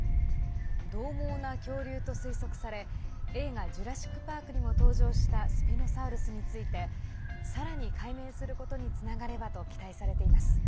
どう猛な恐竜と推測され映画「ジュラシック・パーク」にも登場したスピノサウルスについてさらに解明することにつながればと期待されています。